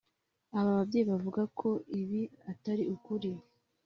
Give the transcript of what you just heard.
Aba babyeyi bavuga ko ibi atari ukuri